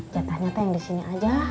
jatahnya teh yang disini aja